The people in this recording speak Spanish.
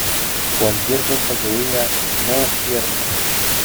¡ Cualquier cosa que diga, no es cierto!